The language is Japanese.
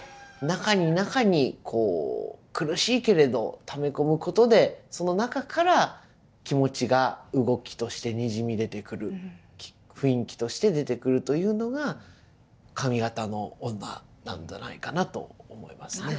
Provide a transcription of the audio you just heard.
中に中にこう苦しいけれどため込むことでその中から気持ちが動きとしてにじみ出てくる雰囲気として出てくるというのが上方の女なんじゃないかなと思いますね。